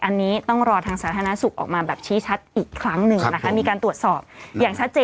อันนี้ต้องรอทางสาธารณสุขออกมาแบบชี้ชัดอีกครั้งหนึ่งนะคะมีการตรวจสอบอย่างชัดเจน